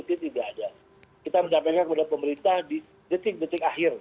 kita tidak ada kita menyampaikan kepada pemerintah di detik detik akhir